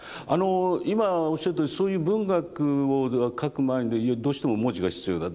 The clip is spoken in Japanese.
今おっしゃったようにそういう文学を書く前にどうしても文字が必要だ。